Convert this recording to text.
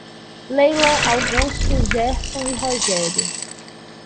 Leila, Augusto, Gerson e Rogério